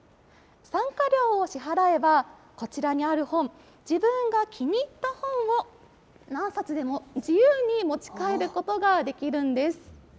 参加料を支払えば、こちらにある本、自分が気に入った本を何冊でも自由に持ち帰ることができるんです。